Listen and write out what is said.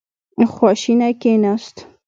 خواشینی کېناست.